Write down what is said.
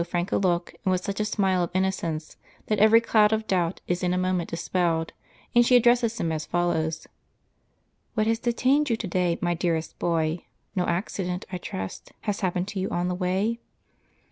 w 1 frank a look, and with such a smile of innocence, that every cloud of doubt is in a moment dispelled, and she addresses him as follows : "What has detained you to day, my dearest boy? No accident, I trust, has happened to you on the way?"